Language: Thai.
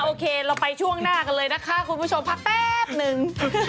โอเคเราไปช่วงหน้ากันเลยนะคะคุณผู้ชมพักแป๊บหนึ่ง